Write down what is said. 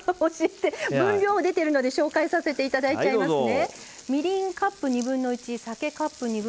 分量、出ているので紹介させていただいちゃいますね。